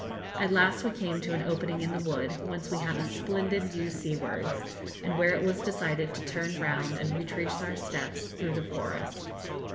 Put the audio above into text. At last we came to an opening in the wood, whence we had a splendid view seawards, and where it was decided to turn round and retrace our steps through the forest.